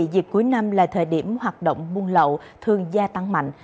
dịp cuối năm là thời điểm hoạt động buôn lậu thường gia tăng mạnh